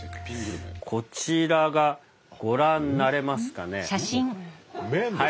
こちらがご覧になれますかね。何？